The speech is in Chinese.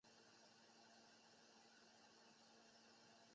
人人有为维护其利益而组织和参加工会的权利。